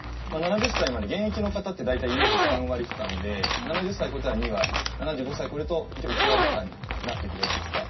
７０歳まで現役の方って大体、医療費３割負担で７０歳超えたら２割７５歳超えると、一応１割負担になっていくじゃないですか。